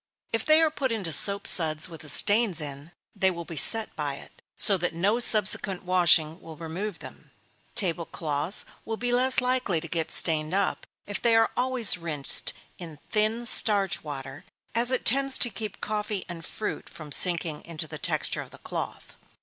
If they are put into soap suds with the stains in, they will be set by it, so that no subsequent washing will remove them. Table cloths will be less likely to get stained up, if they are always rinsed in thin starch water, as it tends to keep coffee and fruit from sinking into the texture of the cloth.